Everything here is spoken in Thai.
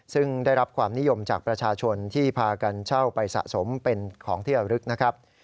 ซึ่งได้รับความนิยมจากประชาชนที่พากันเช่าไปสะสมเป็นของที่ระลึกนะครับ